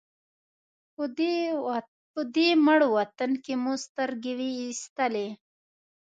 په دې مړ وطن کې مو سترګې وې وېستلې.